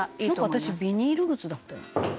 「私ビニール靴だったよ」